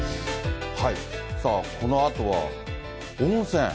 このあとは温泉。